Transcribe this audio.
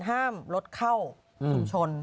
ห้ามรถเข้าชุมชน